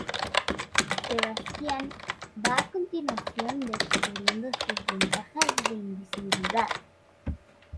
Sebastián va a continuación descubriendo sus ventajas de invisibilidad.